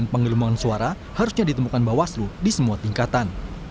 penggelembungan suara harusnya ditemukan bawah seluruh di semua tingkatan